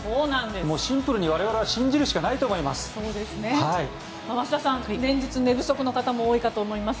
シンプルに我々は信じるしかないと思います。